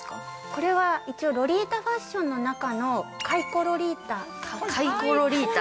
これは、一応ロリータファッションの中のカイコロリータ。